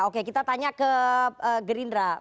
oke kita tanya ke gerindra